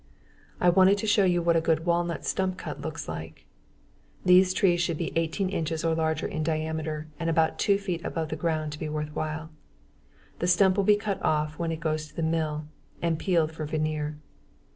I wanted to show you what a good walnut stump cut looks like. These trees should be 18 inches or larger in diameter at about two feet above the ground to be worthwhile. The stump will be cut off when it gets to the mill, and peeled for veneer.